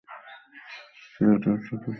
KDE সদস্যরা এ পরিবর্তনকে ভাল ভাবে নেয়নি।